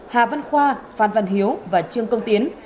hà văn khoa phan văn hiếu và trương công tiến